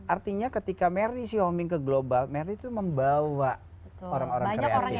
artinya ketika merdi sih homing ke global merdi tuh membawa orang orang kreatif